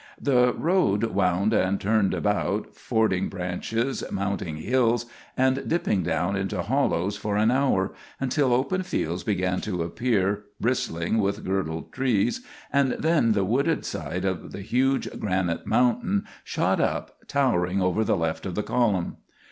The road wound and turned about, fording branches, mounting hills, and dipping down into hollows for an hour, until open fields began to appear bristling with girdled trees, and then the wooded side of the huge granite mountain shot up, towering over the left of the column.